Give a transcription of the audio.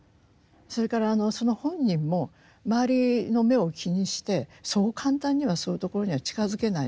それからその本人も周りの目を気にしてそう簡単にはそういうところには近づけないです。